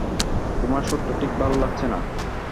তোমার সুরটা ঠিক ভালো লাগছে না।